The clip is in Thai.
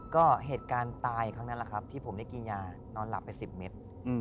ก็เหตุการณ์ตายครั้งนั้นแหละครับที่ผมได้กินยานอนหลับไป๑๐เมตร